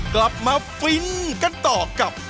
กลับมาฟินกันต่อกับ